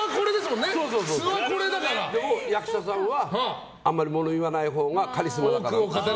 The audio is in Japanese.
だけど役者さんはあまりもの言わないほうがカリスマだから。